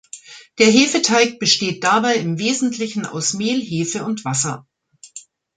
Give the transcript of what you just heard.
Der Hefeteig besteht dabei im Wesentlichen aus Mehl, Hefe und Wasser.